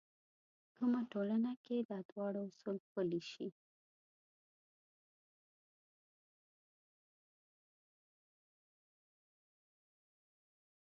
کومه ټولنه کې دا دواړه اصول پلي شي.